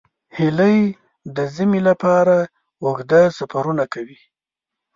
هیلۍ د ژمي لپاره اوږده سفرونه کوي